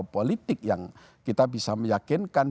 politik yang kita bisa meyakinkan